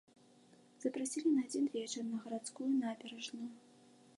Запрасілі на адзін вечар на гарадскую набярэжную.